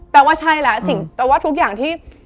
แปลว่าใช่แล้วแปลว่าทุกอย่างที่